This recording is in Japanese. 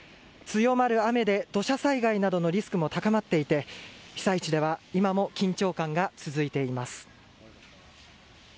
強まる雨で土砂災害などのリスクも高まっていて被災地では今も緊張感が続いています。